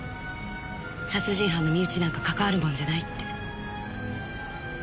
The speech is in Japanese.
殺人犯の身内なんかかかわるもんじゃないって。